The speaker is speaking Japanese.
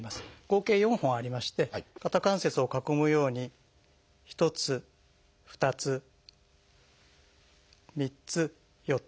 合計４本ありまして肩関節を囲むように１つ２つ３つ４つと。